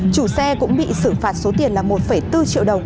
chủ xe cũng bị xử phạt số tiền là một bốn triệu đồng